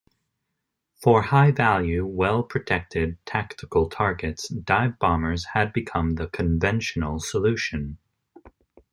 For high-value, well-protected tactical targets dive bombers had become the conventional solution.